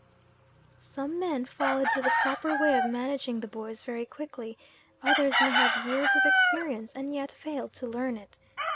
Some men fall into the proper way of managing the boys very quickly, others may have years of experience and yet fail to learn it.